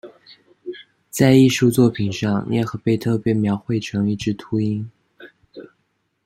在艺术作品上涅赫贝特被描绘成一只秃鹰。